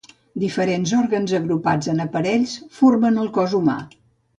Diferents òrgans agrupats en aparells formen el cos humà.